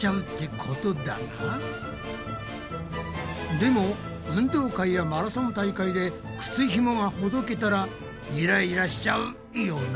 でも運動会やマラソン大会で靴ひもがほどけたらイライラしちゃうよな。